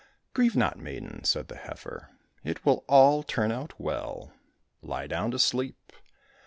—" Grieve not, maiden !" said the heifer, " it will all turn out well. Lie down to sleep